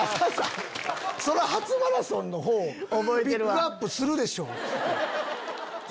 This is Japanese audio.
初マラソンのほうをピックアップするでしょ！